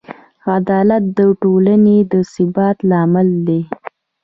عدالت د ټولنې د ثبات لامل دی.